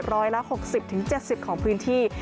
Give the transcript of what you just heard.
ร้อยละ๖๐๗๐ของพื้นที่